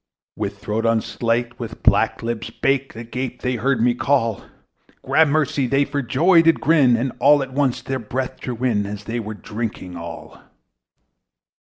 With throats unslaked, with black lips baked, Agape they heard me call: Gramercy! they for joy did grin, And all at once their breath drew in, As they were drinking all.